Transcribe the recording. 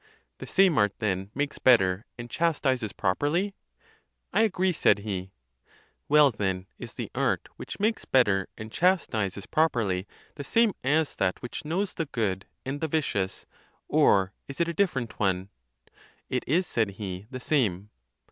—The same art then makes better, and chastises properly.—I agree, said he.— Well then, is the art, which makes better and chastises pro perly, the same as that which knows the good and the vicious, or is it a different one ?—It is, said he, the same.